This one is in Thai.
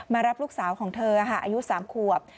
มารับลูกสาวของเธออายุ๓ขวบ